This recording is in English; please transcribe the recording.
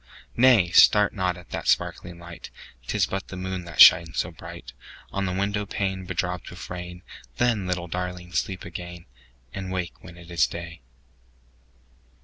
10 Nay! start not at that sparkling light; 'Tis but the moon that shines so bright On the window pane bedropped with rain: Then, little Darling! sleep again, And wake when it is day.